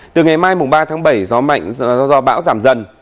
từ ngày mai mùng ba tháng bảy gió mạnh do bão giảm dần